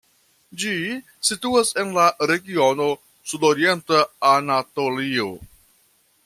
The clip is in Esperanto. Ĝi situas en la regiono Sudorienta Anatolio.